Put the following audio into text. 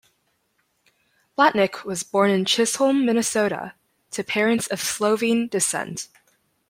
Blatnik was born in Chisholm, Minnesota, to parents of Slovene descent.